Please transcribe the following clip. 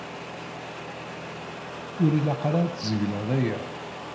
Ur ilaq ara ad tzegleḍ aya.